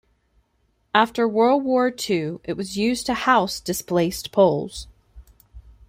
After world war two it was used to house displaced Poles.